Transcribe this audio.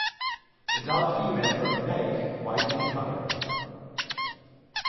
Adult females are opaque white in colour.